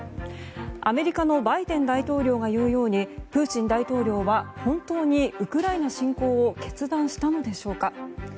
アメリカのバイデン大統領が言うようにプーチン大統領は本当にウクライナ侵攻を決断したのでしょうか。